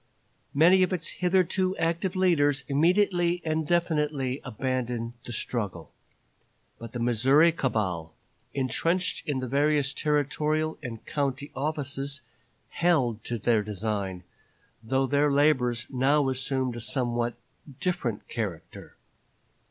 Many of its hitherto active leaders immediately and definitely abandoned the struggle. But the Missouri cabal, intrenched in the various territorial and county offices, held to their design, though their labors now assumed a somewhat different character.